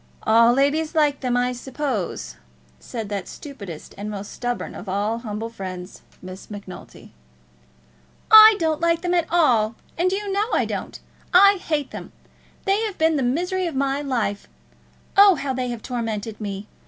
"All ladies like them, I suppose," said that stupidest and most stubborn of all humble friends, Miss Macnulty. "I don't like them at all, and you know I don't. I hate them. They have been the misery of my life. Oh, how they have tormented me!